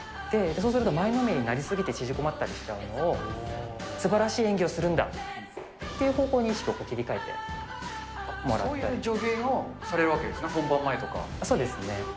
そうすると前のめりになり過ぎて縮こまったりしちゃうのを、すばらしい演技をするんだという方向に意識を切り替えてもらったそういう助言をされるわけでそうですね。